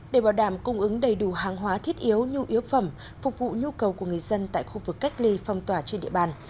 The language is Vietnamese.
để bảo đảm cung ứng đầy đủ hàng hóa thiết yếu nhu yếu phẩm phục vụ nhu cầu của người dân tại khu vực cách ly phong tỏa trên địa bàn